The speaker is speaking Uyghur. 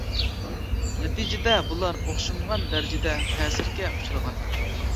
نەتىجىدە بۇلار ئوخشىمىغان دەرىجىدە تەسىرگە ئۇچرىغان.